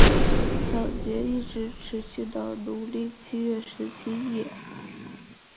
抢劫一直持续到农历正月十七日夜。